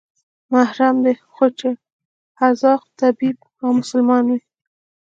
محرم دى خو چې حاذق طبيب او مسلمان وي.